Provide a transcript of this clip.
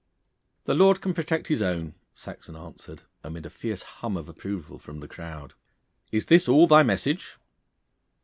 'The Lord can protect His own,' Saxon answered, amid a fierce hum of approval from the crowd. 'Is this all thy message?